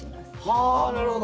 はなるほど！